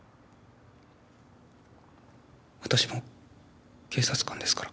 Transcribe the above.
私も警察官ですから。